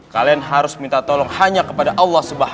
kalian harus minta tolong hanya kepada allah swt